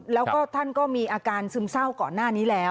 แล้วก็ท่านก็มีอาการซึมเศร้าก่อนหน้านี้แล้ว